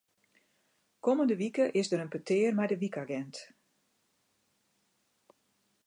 Kommende wike is der in petear mei de wykagint.